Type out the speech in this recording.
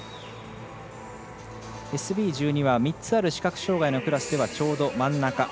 ＳＢ１２は３つある視覚障がいのクラスではちょうど真ん中。